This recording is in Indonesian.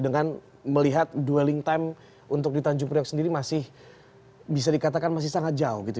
dengan melihat dwelling time untuk di tanjung priok sendiri masih bisa dikatakan masih sangat jauh gitu